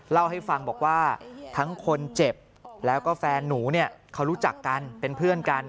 เล่าให้ฟังบอกว่าทั้งคนเจ็บแล้วก็แฟนหนูเนี่ยเขารู้จักกันเป็นเพื่อนกัน